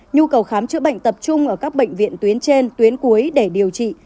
nhu cầu khám chữa bệnh tập trung ở các bệnh viện tuyến trên tuyến cuối để điều trị